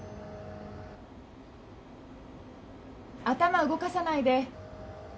頭動かさないで。